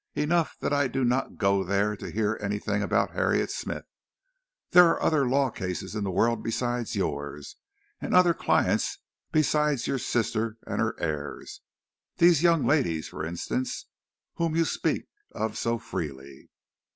"Enough that I do not go there to hear anything about Harriet Smith. There are other law cases in the world besides yours, and other clients besides your sister and her heirs. These young ladies, for instance, whom you speak of so freely."